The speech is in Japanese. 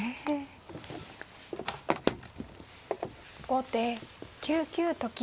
後手９九と金。